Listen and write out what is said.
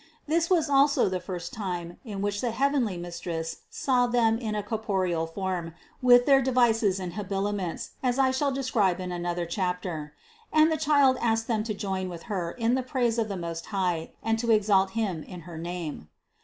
This was also the first time, in which the heavenly Mistress saw them in a corporeal form with their devises and habili ments, as I shall describe in another chapter (Ch. XXIII) and the Child asked them to join with Her in the praise of the Most High and to exalt Him in her name.